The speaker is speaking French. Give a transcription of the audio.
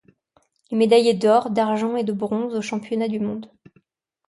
Il est médaillé d'or, d'argent et de bronze au championnat du monde.